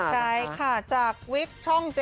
ใช่ค่ะจากวิกช่อง๗